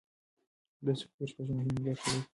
دا سکتور شپږ مهمې برخې لري.